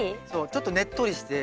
ちょっとねっとりして。